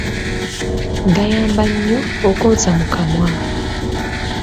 Gayamba nnyo okwoza mu kamwa.